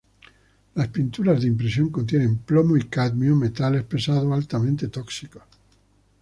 Las pinturas de impresión contienen plomo y cadmio, metales pesados altamente tóxicos.